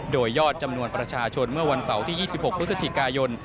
โดยยอดจำนวนประชาชนเมื่อวันเสาร์ที่๒๖พฤศจิกายน